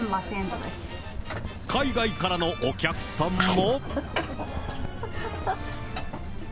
海外からのお客さんも。